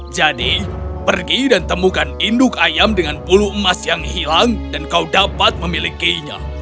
jadi pergi dan temukan induk ayam dengan bulu emas yang hilang dan kau dapat memilikinya